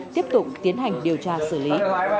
tiếp tục tiến hành điều tra xử lý